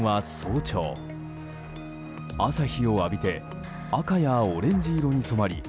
朝日を浴びて赤やオレンジ色に染まり